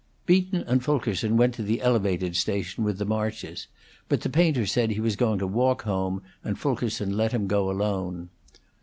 Beaton and Fulkerson went to the Elevated station with the Marches; but the painter said he was going to walk home, and Fulkerson let him go alone.